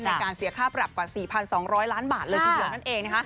ในการเสียค่าปรับกว่า๔๒๐๐ล้านบาทเลยทีเดียวนั่นเอง